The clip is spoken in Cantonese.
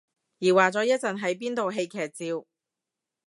疑惑咗一陣係邊套戲劇照